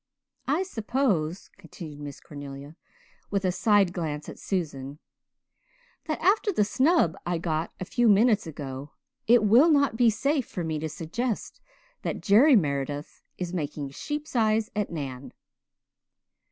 I suppose," continued Miss Cornelia, with a side glance at Susan, "that after the snub I got a few minutes ago it will not be safe for me to suggest that Jerry Meredith is making sheep's eyes at Nan."